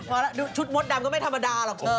มคะลักษมณ์ดูชุดมดดำก็ไม่ธรรมดาหรอกเธอ